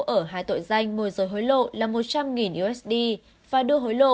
ở hai tội danh môi giới hối lộ là một trăm linh usd và đưa hối lộ